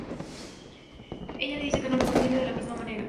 Ella le dice que no lo siente de la misma manera.